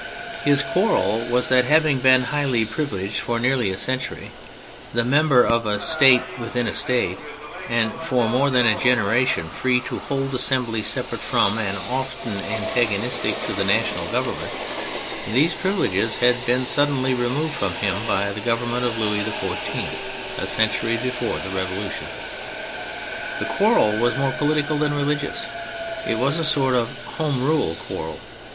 His quarrel was that, having been highly privileged for nearly a century, the member of " a State within a State," and for more than a generation free to hold assemblies separate from and often antagonistic to the national Government, these privileges had been suddenly removed from him by the Government of Louis XIV a century before the Revolution. The quarrel was more political than religious; it was a sort of '' Home Rule " quarrel.